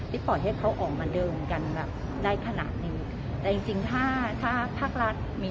ปล่อยให้เขาออกมาเดิมกันแบบได้ขนาดนี้แต่จริงจริงถ้าถ้าภาครัฐมี